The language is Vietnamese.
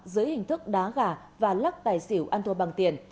dưới hình thức đá gà và lắc tài xỉu ăn thua bằng tiền